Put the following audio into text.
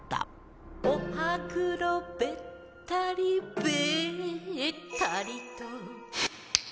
「お歯黒べったりべったりと」